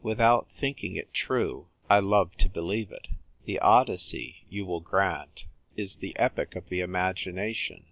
Without thinking it true, I love to believe it. The Odyssey, you will grant, is the epic of the imagination.